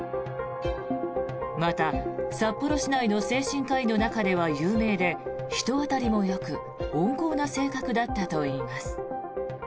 また、札幌市内の精神科医の中では有名で人当たりもよく温厚な性格だったといいます。